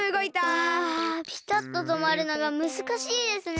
あピタッととまるのがむずかしいですね。